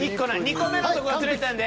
２個目のとこがズレてんで